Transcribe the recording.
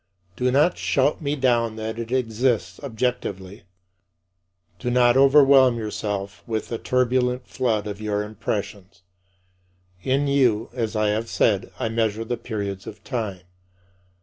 Do not shout me down that it exists [objectively]; do not overwhelm yourself with the turbulent flood of your impressions. In you, as I have said, I measure the periods of time.